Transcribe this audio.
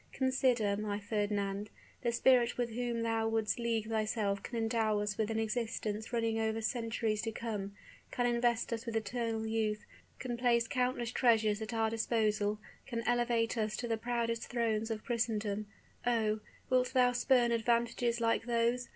Consider, my Fernand the spirit with whom thou wouldst league thyself can endow us with an existence running over centuries to come, can invest us with eternal youth, can place countless treasures at our disposal, can elevate us to the proudest thrones of Christendom! Oh! wilt thou spurn advantages like those?